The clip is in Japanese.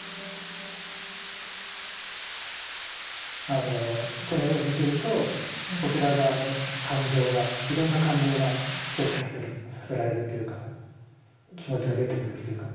あのこの絵を見てるとこちら側の感情がいろんな感情が想起させられるというか気持ちが出てくるというか。